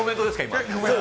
今。